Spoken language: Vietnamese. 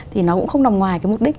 thì nó cũng không nằm ngoài cái mục đích